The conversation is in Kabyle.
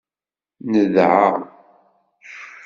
Nedɛa.